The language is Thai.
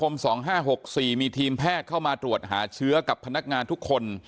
๒๕๖๔มีทีมแพทย์เข้ามาตรวจหาเชื้อกับพนักงานทุกคน